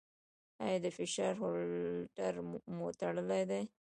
ایا د فشار هولټر مو تړلی دی؟